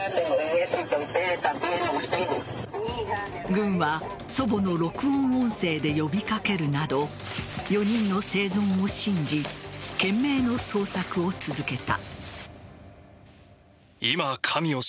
軍は祖母の録音音声で呼び掛けるなど４人の生存を信じ懸命の捜索を続けた。